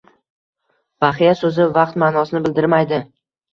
Baxya soʻzi vaqt maʼnosini bildirmaydi